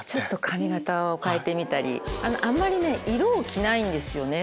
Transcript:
髪形を変えてみたりあんまり色を着ないんですよね。